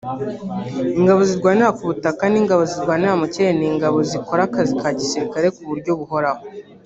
Ingabo zirwanira ku butaka n’Ingabo zirwanira mu kirere ni Ingabo zikora akazi ka gisirikare ku buryo buhoraho